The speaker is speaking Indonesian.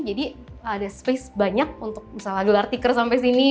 jadi ada space banyak untuk misalnya gelar tikar sampai sini